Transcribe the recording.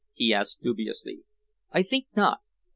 he asked dubiously. "I think not.